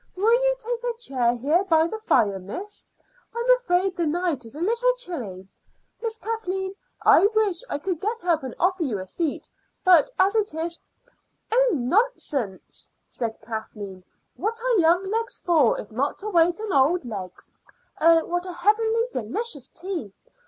Will you take a chair here by the fire, miss? I'm afraid the night is a little bit chilly. Miss Kathleen, I wish I could get up and offer you a seat, but as it is " "Oh, nonsense!" said Kathleen. "What are young legs for if not to wait on old legs? Oh, what a heavenly, delicious tea!